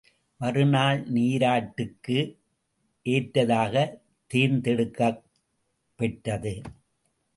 மறுநாள் நீராட்டுக்கு ஏற்றதாகத் தேர்ந்தெடுக்கப் பெற்றது.